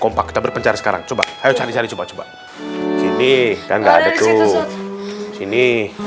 kompak kita berpencar sekarang coba ayo cari cari coba coba sini kan enggak ada tuh sini